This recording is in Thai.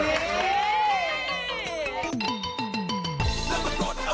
สวัสดีครับคุณผู้ชมครับ